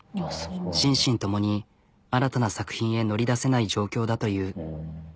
心身共に新たな作品へ乗り出せない状況だという。